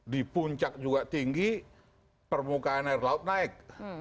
di puncak juga tinggi permukaan air laut naik